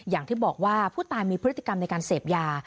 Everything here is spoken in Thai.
อย่างที่บอกว่าผู้ตายมีพฤติกรรมในการเสพยา